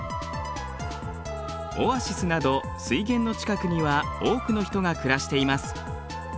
オアシスなど水源の近くには多くの人が暮らしています。